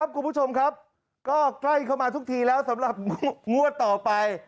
คุณผู้ชมครับก็ใกล้เข้ามาทุกทีแล้วสำหรับงวดต่อไป